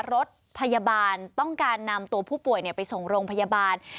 รถพยาบาลต้องการนำตัวผู้ป่วยไปส่งโรงพยาบาล